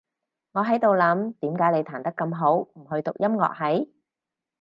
我喺度諗，點解你彈得咁好，唔去讀音樂系？